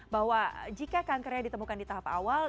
bahwa jika kankernya ditemukan di tahap awal